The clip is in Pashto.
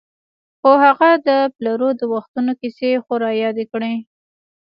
خو هغه د پلرو د وختونو کیسې خو رایادې کړه.